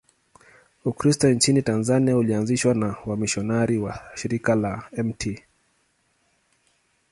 Ukristo nchini Tanzania ulianzishwa na wamisionari wa Shirika la Mt.